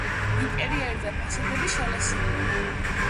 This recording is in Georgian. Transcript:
ინტერიერი და ფასადები შელესილია.